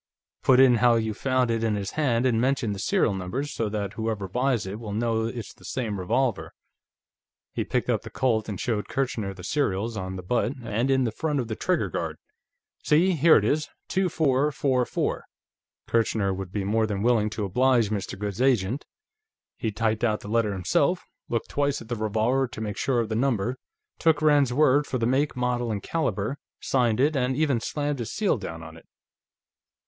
Put in how you found it in his hand, and mention the serial numbers, so that whoever buys it will know it's the same revolver." He picked up the Colt and showed Kirchner the serials, on the butt, and in front of the trigger guard. "See, here it is: 2444." Kirchner would be more than willing to oblige Mr. Goode's agent; he typed out the letter himself, looked twice at the revolver to make sure of the number, took Rand's word for the make, model, and caliber, signed it, and even slammed his seal down on it.